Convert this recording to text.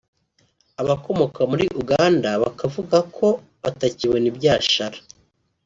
abakomoka muri Uganda bakavuga ko batakibona ibyashara